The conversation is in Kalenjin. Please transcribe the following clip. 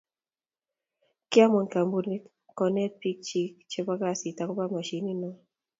kiamuan kampunii konet biiknyin chebo kazit akopo mashinit noo